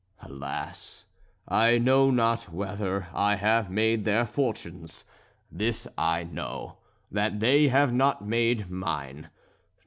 Alas! I know not whether I have made their fortunes; this I know, that they have not made mine.